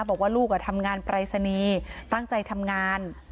บอกว่าลูกทำงานปรายศนีย์ตั้งใจทำงาน